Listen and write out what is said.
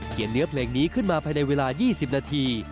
เนื้อเพลงนี้ขึ้นมาภายในเวลา๒๐นาที